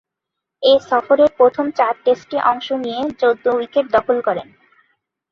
এ সফরের প্রথম চার টেস্টে অংশ নিয়ে চৌদ্দ উইকেট দখল করেন।